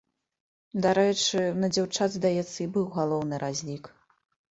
Дарэчы, на дзяўчат, здаецца, і быў галоўны разлік.